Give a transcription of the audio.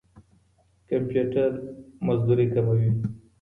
کمپيوټر مزدوري کموي.